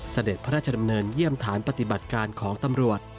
เสด็จพระราชดำเนินเยี่ยมฐานปฏิบัติการของตำรวจ